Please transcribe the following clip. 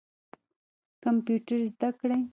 کمپیوټر زده کړئ